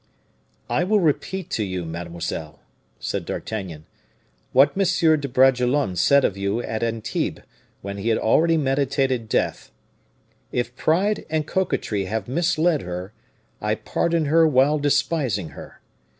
"I will repeat to you, mademoiselle," said D'Artagnan, "what M. de Bragelonne said of you, at Antibes, when he already meditated death: 'If pride and coquetry have misled her, I pardon her while despising her.